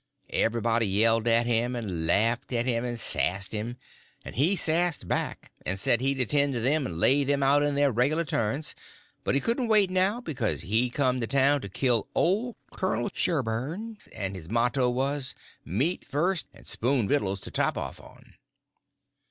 Everybody yelled at him and laughed at him and sassed him, and he sassed back, and said he'd attend to them and lay them out in their regular turns, but he couldn't wait now because he'd come to town to kill old Colonel Sherburn, and his motto was, "Meat first, and spoon vittles to top off on."